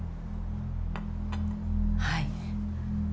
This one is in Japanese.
はい。